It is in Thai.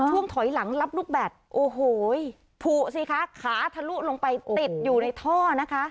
ถอยหลังรับลูกแบตโอ้โหผูสิคะขาทะลุลงไปติดอยู่ในท่อนะคะ